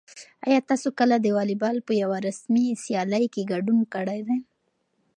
آیا تاسو کله د واليبال په یوه رسمي سیالۍ کې ګډون کړی دی؟